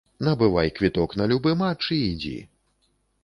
Набывай квіток на любы матч і ідзі.